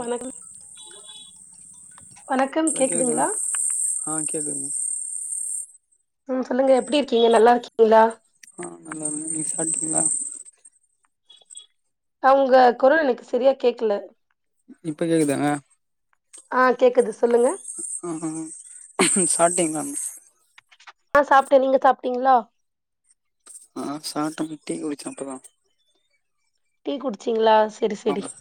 வணக் வணக்கம் அத கேட்டே கேக்குதுங்களா ஆ கேக்குது ம் சொல்லுங்க எப்டி இருக்கீங்க நல்லா இருக்கீங்களா ஆ நல்லா இருக்கேன் நீங்க சாட்டீங்களா அவங்க குரல் எனக்கு சரியா கேக்கல இப்ப கேக்குதா ஆ கேக்குது சொல்லுங்க ஆ சாப்டீங்களா ஆ சாப்டேன் நீங்க சாப்டீங்களா ஆ சாப்ட்டு டீ குடிச்சோம் இப்பதான் டீ குடிச்சீங்களா செரி செரி ஆமா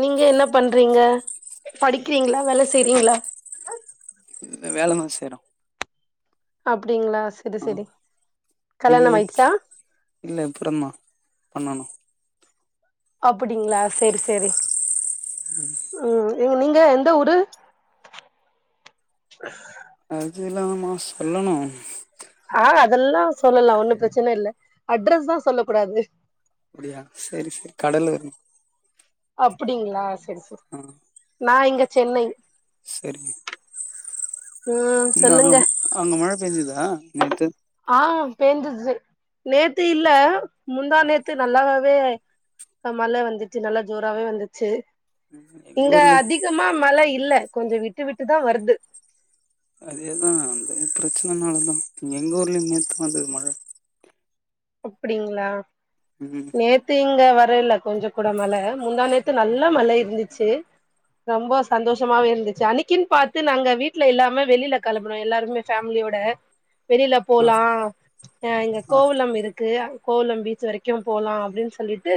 நீங்க என்ன பண்றீங்க படிக்கறீங்களா வேல செய்றீங்களா வேல தான் செய்றேன் அப்டிங்களா செரி ஆ செரி நீங்க கல்யாணம் ஆயிடுச்சா இல்ல அப்பறமா பண்ணணும் அப்டிங்களா சேரி சேரி உம் ம் எ நீங்க எந்த ஊரு அதுல்லாமா சொல்லணும் ஆ அதெல்லாம் சொல்லலாம் ஒன்னும் பிரச்சன இல்ல அட்ரஸ் தா சொல்ல கூடாது அப்டியா சரி சரி கடல்லு அப்டிங்களா சரி சரி ஆ நா இங்க சென்னை சரி ம் நா சொல்லுங்க நம்ம அங்கே அங்கே மழ பெஞ்சுதா நேத்து ஆ பேஞ்சுது நேத்து இல்ல முந்தா நேத்து நல்லா ம் மழ வந்துச்சு நல்ல ஜோராவே வந்துச்சு எங்க இங்க ஊர்ல அதிக அதிகமா மழ இல்ல கொஞ்ச விட்டு விட்டுதா வருது அதேதான் அந்த பிரச்சனனாலதா எங்க ஊர்லயும் நேத்து வந்தது மழ அப்டிங்களா ம் நேத்து இங்க வரல கொஞ்சம கூட மழ முந்தா நேரத்து நல்ல மழ இருந்துச்சு ரொம்ப சந்தோஷமாவே இருந்துச்சு அன்னக்குன்னு பா்த்து நாங்க வீட்ல இல்லாமே வெளில கெளம்பனோம் எல்லாருமே ஃபேமிலியோட வெளில ஆ போலாம் அ இங்க ஆ கோவலம் இருக்கு இரு கோலம் பீச் வரைக்கு போலா அப்டின்னு சொல்லிட்டு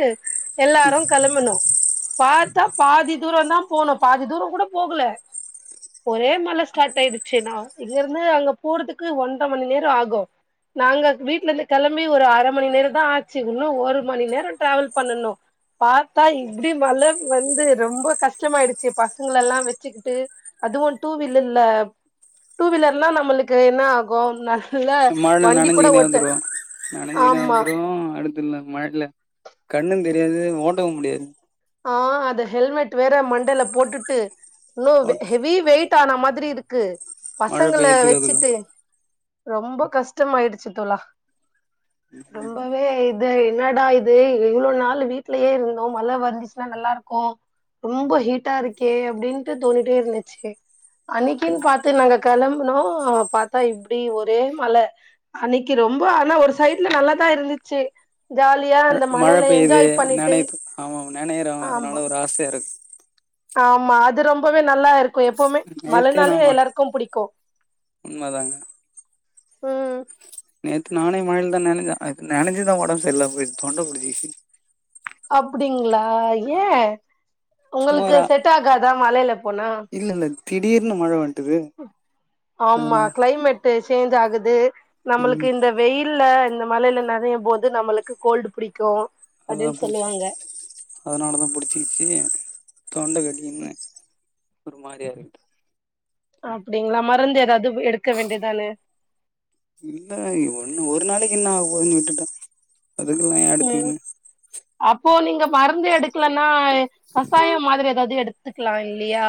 எல்லாரு கிளம்பணு பாத்தா பாதி தூர தா போனோ பாதி தூர கூட போகல ஒரே மலை ஸ்டார்ட் ஆயிடுச்சுன்னா இங்க இருந்து அங்க போறதுக்கு ஒன்றரை மணி நேர ஆகு நாங்க வீட்டுல இருந்து கிளம்ப ஒரு அரை மணி நேர தா ஆச்சு ஒரு மணி நேர டிராவல் பண்ணணு பாத்தா இப்டி மழ வந்து ரொம்ப கஷ்டமாயிடுச்சு பசங்கள எல்லா வச்சுக்கிட்டு அதுவு டூ வீலர்ல டூவீலர்ல்னா நம்மளுக்கு என்ன ஆகு இல்ல வண்டி கூட ஓட்டு அனைக்கின வந்துரு அடுத்துல்ல மழைல கண்ணு தெரியாது ஓட்டவு முடியாது ஆஹ் அத ஹெல்மெட் வேற மண்டல போட்டுட்டு இன்னு ஓட்ட ஹெவி வெயிட் இருட்டன மாரி இருக்கு மழ பசங்களை பெய்யறதுக்கு அதுக்கு வச்சிட்டு ரொம்ப கஷ்டமாயிடுச்சு தோழா ரொம்ப ஏய் இது என்னடா இது இவ்வளவு நாள் வீட்லயே இருந்தோ மழை வந்துசிச்சு மழ நல்லா இருக்கு ரொம்ப ஹீட்டா இருக்கே அப்டின்ட்டு தோணிட்டே இருந்துச்சு அன்னிக்கின்ன்னு பாத்து நாங்க கிளம்புனோ பாத்தா இப்படி ஒரே மழ அன்னைக்கு ரொம்ப ஆனா ஒரு சைட்ல நல்லாதா இருந்துச்சு ஜாலியா அந்த மழைல என்ஜாய் பண்ணிட்டு ஆமாம் நெனையிறோ ஆமா. அதனால ஒரு ஆசையாக இருக்குது ஆமா அது ரொம்பவே நல்லா இருக்கு எப்பவுமே நேத்தே நா மழைனாலே ம எல்லாருக்கு பிடிக்கு உண்மதாங்க ம் நேத்து நான மழையில தா நினைச்ச நினைச்சுதா உடம்புரியல்ல போய தொண்ட முடுச்சுகிச்சு அப்டிங்களா ஏன் சும்மா உங்களுக்கு ஒரு செட் ஆகாதா மழையில போனா இல்ல இல்ல திடீர்னு மழை வந் ஆமா கிளைமேட் சேஞ்ச் ஆகுது நம்மளுக்கு ம் இந்த வெயில்ல இந்த மழையில நனையு போது நம்மளுக்கு கோல்டு புடிக்கு அப்டின்னு அதான் சொல்லுவாங்க புடிச்சுகிச்சு அதனாலதா புடிச்சிக்கிச்சு தொண்டை கட்டிக்கினு ஒரு மாரியா போயிரு அப்டிங்களா மருந்து ஏதாவது எடுக்க வேண்டியதானே இல்லங்க ஒன்னு ஒரு நாளைக்கு என்ன ஆக போதுன்னு விட்டுட்டா அதுக்ககுல்லா அடுத்து ம் இது அப்போ நீங்க மருந்து எடுக்கலன்னா கசாய மாரி ஏதாவது எடு எடுத்துக்கலா இல்லையா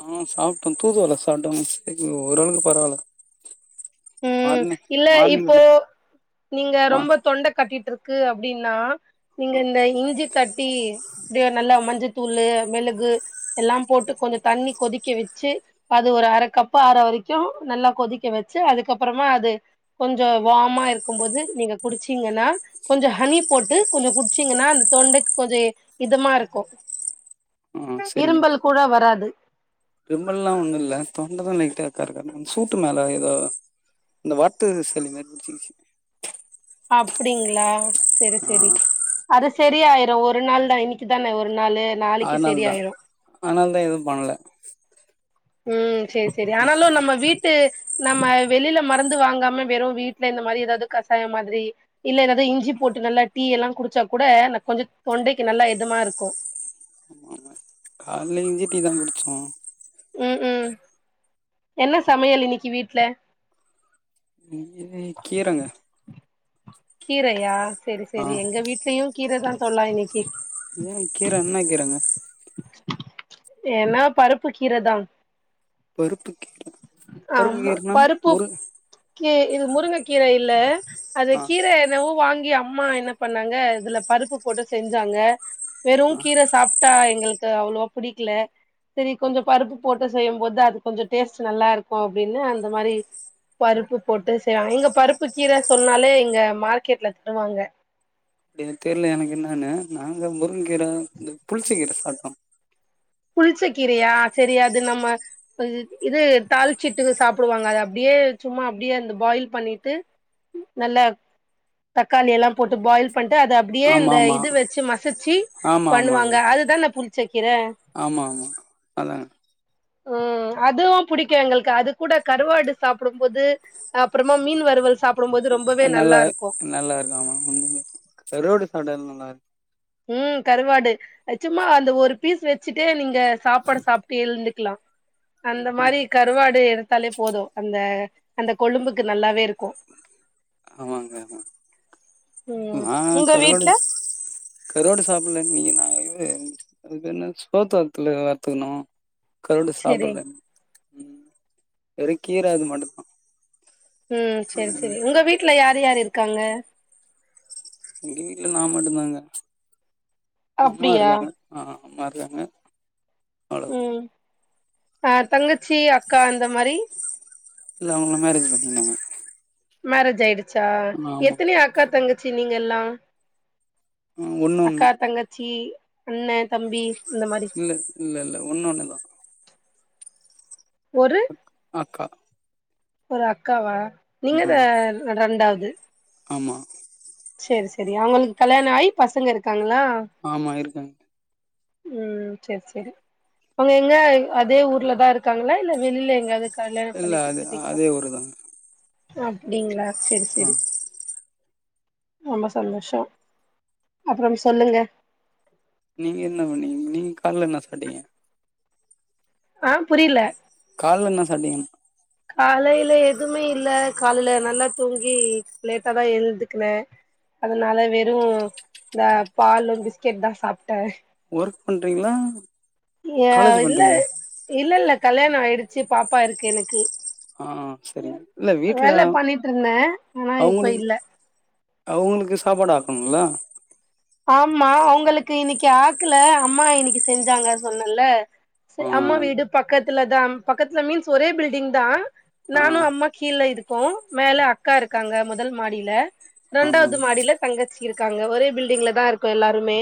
ஆ சாப்டே தூதுவல சாப்டே ஓரளவுக்கு பரவால ம் இல்ல இப்போ நீங்க மா ரொம்ப தொண்ட கட்டிட்டு இருக்கு அப்டின்னா நீங்க இந்த இஞ்சி தட்டி தொ அப்டியோ நல்லா மஞ்சதூளு மேளகு எல்லா போட்டு கொஞ்ச தண்ணி கொதிக்க வச்சி அது ஒரு அரகப்பு அர வரைக்கு நல்லா கொதிக்க வச்சி அதுகப்புறமா அது கொஞ்சோ வமா இருக்குபோது நீங்க குடிச்சீங்கன்னா கொஞ்சோ அனி போட்டு கொஞ்சோ குடிசீங்கன்னா அந்த தொண்டைக்கு கொஞ்சோ இதமா இருக்கு ஆ இரும்பல் கூட வராது இரும்பல்லா ஒண்ணு இல்ல தொண்டை தா லைட்ட காரக்கறனு சூட்டு மேலே ஏதோ இந்த வர்ட்டு சளி மாரி புடிச்சிச்சி அப்டிங்களா சேரி ஆ சேரி அது சரிய ஆயிரு ஒரு நாள் தா இன்னைக்கு தானே ஒரு நாளு நாளைக்கு அதனால தா சரியாயிரு அதனால தா எதுவு பண்ணல உம் செரி செரி ஆனாலும் நம்ம வீட்டு நம்ம வெளில மறந்து வாங்காம வெறு வீட்ல இந்த மாரி எதாது கசாயம் மாதிரி இல்ல ஏதாது இஞ்சி போட்டு நல்லா டீ எல்லா குடிச்சா கூட ந கொஞ்சோ தொண்டைக்கு நல்லா எதமா இருக்கு ஆமா கால்ல இஞ்சிடிதா குடிச்சோ ம் ம் என்ன சமையல் இன்னிக்கி வீட்ல இங்யை கீரங்க கீரையா செரி ஆ செரி எங்க வீட்லயு கீர தா தோழ இன்னிக்கி ஏ கீறேன்ன கிறங்க என பருப்பு கீரைதா பருப்புக்கீற ஆமா பருப்பு கீ இது முருங்கை கீர இல்ல அது ஆ கீர என்னவோ வாங்கி அம்மா என்ன பண்ணாங்க இதுல பருப்பு போட்டு செஞ்சாங்க வெறும் கீர சாப் டா எங்களுக்கு அவ்ளவோ பிடிக்கல செரி கொஞ்சோ பருப்பு போட்டு செய்யும்போது அது கொஞ்சோ டேஸ்ட் நல்லா இருக்கு அப்டின்னு அந்த மாரி பருப்பு போட்டு செய்வாங்க எங்க பருப்பு கீர சொன்னாலே இங்க மார்க்கெட்ல தருவாங்க எணுக்கு தெரியல எனக்கு என்னன்னு நாங்க முருங்கீரை இந்த புளிச்சா கீர சாப்பிட்டோ புளிச்ச கீரயா செரி அது நம்ம இது தாளிச்சிட்டு சாப்பிடுவாங்க அது அப்டியே சும்மா அப்டியே அந்த பாயில் பண்ணிட்டு நல்ல தக்காளி எல்லா போட்டு பாயில் பண்ட்டு அத அப்டியே ஆமா இந்த ஆமா இது வச்சு மசிச்சி ஆமா ஆமா பண்ணுவாங்க ஆமா அதுதான புளிச்சக்கிற ஆமா ஆமா அதாங்க உம் அதுவும் புடிக்கு எங்களுக்கு அது கூட கருவாடு சாப்டும்போது அப்புறமா மீன் வருறுவல் சாப்பிடும்போது ரொம்பவே நல்லா இருக்கு நல்லா இருக்கு ஆமா கரோடு கடயிலா நல்லா இருக்கு உம் கருவாடு சும்மா அந்த ஒரு பீஸ் வச்சுட்டே நீங்க சாப்பாடு சாப்ட்டு எழுந்துக்கலா அந்த மாரி கருவாடு எடுத்தாலே போது அந்த அந்த கொழும்புக்கு நல்லாவே இருக்கு ஆமாங்க அதா ம் நா உங்க கருவாடு வீட்ல கருவாடு சாப்பில நீ நா அதுனா சோத்து வத்துல வத்துக்கணு கருவாடு செரி சாப்பல வெரு கீரா அது மட்டுதா ம் செரி செரி உங்க வீட்டுல யார் யார்ரு இருக்காங்க எங்க வீட்டுல நா மட்டுதாங்க அம்மா அப்டியா இருக்காங்க ஆ அம்மா இருக்காங்க அவ்ளத ம் ஆ தங்கச்சி அக்கா அந்த மாரி இல்ல அவுங்கள்ல மேரேஜ் பண்ணிங்காங்க மேரேஜ் ஆயிடுச்சா ஆமா எத்தன அக்கா தங்கச்சி நீங்க எலாம் ஒண்ணு ஒண்ணு அக்கா தங்கச்சி அண்ணன் தம்பி இந்த மாரி இல்ல இல்ல இல்ல ஒண்ண ஒண்ணும் தா ஒரு அக்கா ஒரு அக்காவா நீங்க ஆ தான் ரெண்டாவது ஆமா சேரி சேரி அவுங்களுக்கு கல்யாண ஆயி பசங்க இருக்காங்களா ஆமா இருக்காங்க ம் சேரி சேரி அவுங்க எங்க அதே ஊர்ல தா இருக்காங்களா இல்ல வெளில எங்காவ்து கல்யாண இல்ல பண்ணி அது குட்த்துட்டீங்களா அதே ஊருதாங்க அப்டிங்ளா சேரி ஆ சேரி ரொம்ப சந்தோஷ அப்றம் சொல்லுங்க நீங்க என்ன பண்ணீங்க நீங்க கால்ல என்ன சாப்ட்டீங்க ஆ புரியல கால்ல என்ன சாப்டிங்க காலைல எதுமே இல்ல காலைல நல்லா தூங்கி லேட்டா தா எழ்ந்துக்குனே அதுனால வெறு இந்த பாலு பிஸ்கெட் தா சாப்ட்டே ஒர்க் பண்றீங்ளா ஏ காலேஜ் இல்ல பண்றீங்ளா இல்ல இல்ல கல்யாண ஆயிடுச்சு பாப்பா இருக்கு எனக்கு ஆ செரிங்க இல்ல வீட்ல வேல பண்ணிட்ருந்தே ஆனா இப்ப அவுங்களுக்கு இல்ல அவுங்களுக்கு சாப்பாடு ஆக்கணுல்ல ஆமா அவுங்களுக்கு இன்னைக்கு ஆக்கல அம்மா இன்னைக்கு செஞ்சாங்க சொன்னல்ல சே ஆ அம்மா வீடு பக்கத்துல தா பக்கத்துல மீன்ஸ் ஒரே பில்டிங் தா ஆ நானு அம்மா கீழ இருக்கோ மேல அக்கா இருக்காங்க மொதல் மாடில ஆ ரெண்டாவ்து மாடில தங்கச்சி இருக்காங்க ஒரே பில்டிங்ல தா இருக்கோ எல்லாருமே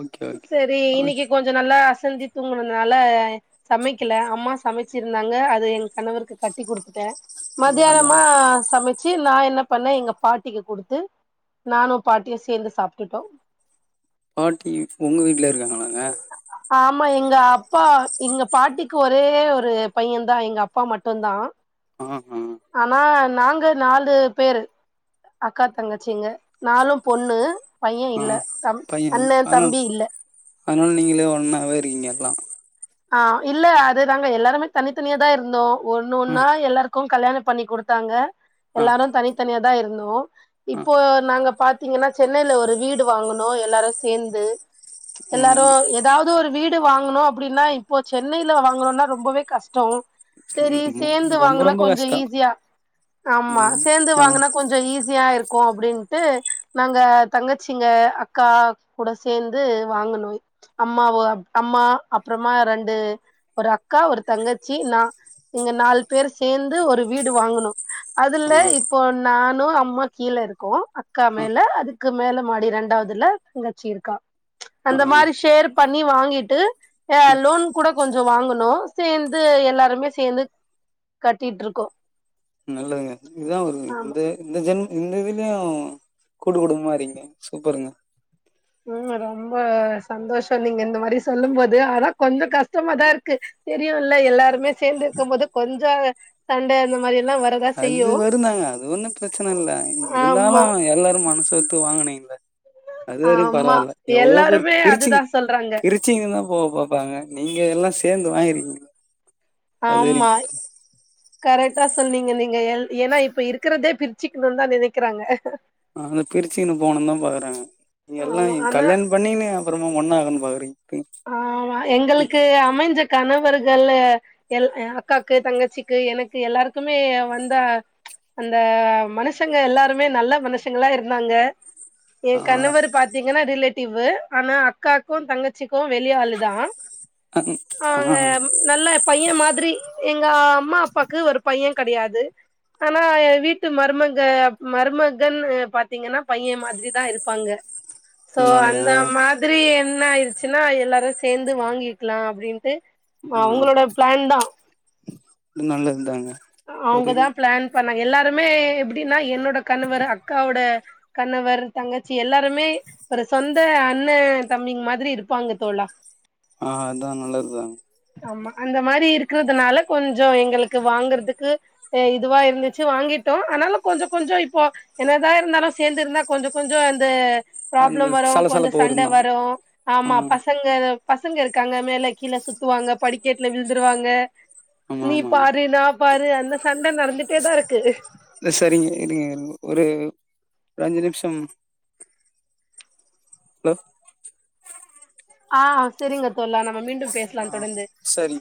ஓகே ஓகே சேரி அவ- இன்னைக்கு கொஞ்ச நல்லா அசந்து தூங்குனனால சமைக்கல அம்மா சமைச்சிருந்தாங்க அத என் கணவருக்கு கட்டி குடுத்துட்டே அதான் மதியானமா சமைச் ச்சு நா என்ன பண்ணே எங்க பாட்டிக்கு குடுத்து நானு பாட்டியு சேந்து சாப்ட்டுட்டோ பாட்டி உங்க வீட்ல இருக்காங்களாங்க ஆமா எங்க அப்பா எங்க பாட்டிக்கு ஒரே ஒரு பையந்தா எங்க அப்பா மட்டுந்தா ஆ ஹா ஆனா நாங்க நாலு பேரு அக்கா தங்கச்சிங்க நாலு பொண்ணு பைய ஆ இல்ல தம் அண்ண தம்பி இல்ல அதுனால நீங்களே ஒன்னாவே இருக்கீங்க எல்லா ஆ இல்ல அதுதாங்க எல்லாருமே தனித்தனியா தா இருந்தோ ஒன்னு ஆ ஒன்னா எல்லாருக் க்கு கல்யாண பண்ணி குடுத்தாங்க ஆ எல்லாரு தனித்தனிய தா இருந்தோ ஆ இப்போ நாங்க இப்ப பாத்தீங்கனா சென்னைல ஒரு வீடு வாங்குனோ எல்லாரு சேந்து ஆ எல்லாரு எத் தாவ்து ஒரு வீடு வாங்கணு அப்டினா இப்போ சென்னைல வாங்கனுனா ரொம்பவே கஷ்டோ சேரி சொல்லு சேந்து ரொம்ப வாங்குனா ரொம்ப கொஞ்ச கஷ்டோ ஈஸியா ஆமா சேந்து வாங்குனா கொஞ்ச ஈஸியா இருக்கு அப்டின்ட்டு நாங்க தங்கச்சிங்க அக்கா கூட சேந்து வாங்குனோ அம்மாவு அம்மா அப்றமா ரெண்டு ஒரு அக்கா ஒரு தங்கச்சி நா இங்க நாலு பேரு சேந்து ஒரு வீடு வாங்குனோ அதுல ஆ இப்போ நானு அம்மா கீழ இருக்கோ அக்கா ஆ மேல அதுக்கு மேல மாடி ரெண்டாவ்துல தங்கச்சி இருக்கா ஆ அந்த மாரி ஷேர் பண்ணி வாங்கிட்டு அ ஆ லோன் கூட கொஞ்ச வாங்குனோ சேந்து எல்லாருமே சேந்து கட்டிட்ருக்கோ நல்லதுங்க இதுதா வருதுங்க ஆமா இந்த இந்த ஜென் இந்த ஜென் இல்லயாவ் துமாறிங்க சூப்பருங்க ம் ரொம்ப சந்தோஷ நீங்க இந்த மாரி சொல்லும் போது ஆனா கொஞ்ச கஷ்டமாதா இருக்கு தெரியுமல்ல எல்லாருமே சேந்து இருக்கும் போது கொஞ்ச சண்ட அந்த மாரி எல்லா வரதா அது செய்யு வருந்தாங்க அது ஒன்னு பிரச்சன இல்ல இருந்தாலு ஆமா எல்லாரு மனசு ஒத்து வாங்கினீ கில அதுவரையு பரவா ஆமா இல்ல எவ்ளோ பேர் எல்லாருமே பிரிச்சிங் அதுதா சொல்றாங்க பிரிச் ச்சிங் தா போவ பாப்பாங்க நீங்க எல்லா சேந்து வாங்கிருக்கீங்க அது ஆமா வரையு கரெக்டா சொன்னீங்க நீங்க எ ஏனா இப்ப இருக்கிறதே பிரிச்சுக்கணுன்னு தா நெனைக்கிறாங்க [unintelligible] பிரிச்சுக்குன்னு போணுதா பாக்குறாங்க இங்க எல்லா ஆமா ஆனா கல்யாணம் பண்ணின்னு அப்பறமா [unintelligible] பாக்குறீங்க ஆ எங்களுக்கு அமைஞ்ச கணவர்கள்லு எல் எ அக்காக்கு தங்கச்சிக்கு எனக்கு எல்லாருக்குமே வந்த அந்த மனுஷங்க எல்லாருமே நல்ல மனுஷங்களா இருந்தாங்க எ ஆ கணவர் பாத்தீங்கன்னா ரிலேட்டிவ்வு ஆனா அக்காக்கு தங்க கு வெளி ஆளுதா ஆ நல்ல பைய மாதிரி எங்க அம்மா அப்பாக்கு ஒரு பைய கெடையாது ஆனா வீட்டு மருமக மருமகன் பாத்தீங்கன்னா பையே மாதிரி தா இருப்பாங்க சோ அதனாலயா அந்த மாதிரி என்ன இருக் சின்னா எல்லாரு சேந்து வாங்கிக்கலா அப்டின்ட்டு ஆ அவங்களோட பிளான் தா நல்லதுதாங்க அவுங்கதா பிளான் பண்ணா எல்லாருமே எப்படின்னா என்னோட கணவர் அக்காவோட கணவர் தங்கச்சி எல்லாருமே ஒரு சொந்த அண்ணோ தம்பி மாதிரி இருப்பாங்க தோழா ஆ அதா நல்லருதாங் ஆமா அந்த மாரி இருக்கற்துனால கொஞ்சொ எங்களுக்கு வாங்றதுக்கு எ இதுவா இருந்துச்சு வாங்கிட்டோ ஆனாலு கொஞ்சொ கொஞ்கொ இப்போ என்னதா இருந்தாலூ சேர்ந்து இருந்தா கொஞ்சொ கொஞ்சொ அந்த அந்த ப்ராப்ளம் வரூ கொஞ்சொ சலசலப்பு சண்ட வருந்தான் வரூ ஆ ஆமா பசங் க அதா பசங்க இருக்காங்க மேல கீழ சுத்துவாங்க படிக்கெட்ல விழுந்துருவாங்க ஆமா நீ ஆமாங்க பாரு நா பாரு அந்த சண்ட நடதிட்டே தா இருக்கு இல சரிங்க இருங்க இருங் ஒரு ஒரு அஞ்சு நிமிஷம் லோ ஆ செரிங்க தோழா நம்ம மீண்டும் பேசலா ஆ தொடர்ந்து சரி